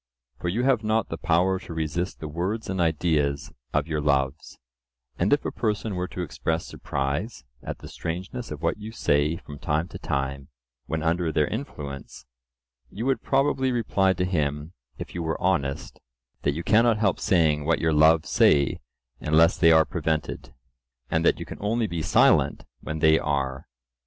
For you have not the power to resist the words and ideas of your loves; and if a person were to express surprise at the strangeness of what you say from time to time when under their influence, you would probably reply to him, if you were honest, that you cannot help saying what your loves say unless they are prevented; and that you can only be silent when they are.